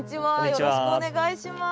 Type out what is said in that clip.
よろしくお願いします。